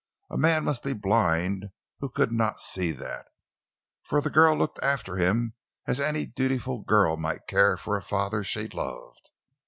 A man must be blind who could not see that. For the girl looked after him as any dutiful girl might care for a father she loved.